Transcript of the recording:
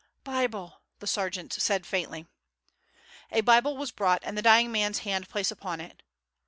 "Bible," the sergeant said faintly. A Bible was brought and the dying man's hand placed upon it.